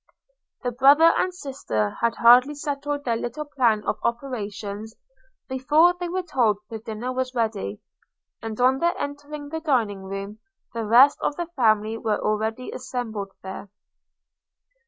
The brother and sister had hardly settled their little plan of operations, before they were told the dinner was ready; and on their entering the dining room the rest of the family were already assembled there.